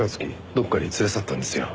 どこかに連れ去ったんですよ。